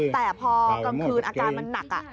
แต่พอกลางคืนอาการมันหนัก